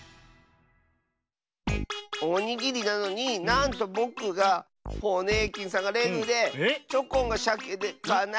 おにぎりなのになんとぼくがホネーキンさんがレグでチョコンがシャケでかなしかったよ。